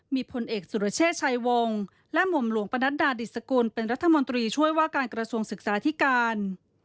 มีพลเอกสุรเชษชายวงและหม่อมหลวงปนัดดาดิสกุลเป็นรัฐมนตรีช่วยว่าการกระทรวงศึกษาธิการ